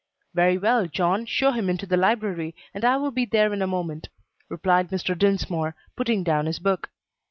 "Very well, John, show him into the library, and I will be there in a moment," replied Mr. Dinsmore, putting down his book.